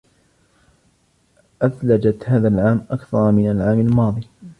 أثلجت هذا العام أكثر من العام الماضي.